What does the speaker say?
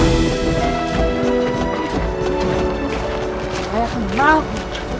raden raden tiansandang tunggu